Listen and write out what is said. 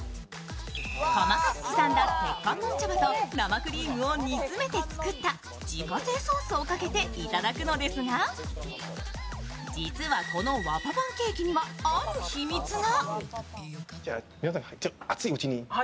細かく刻んだ鉄観音茶葉と生クリームを煮詰めて作った自家製ソースをかけていただくのですが、実はこのワパパンケーキにはある秘密が。